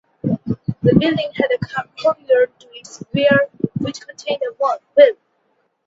The building had a courtyard to its rear which contained a well.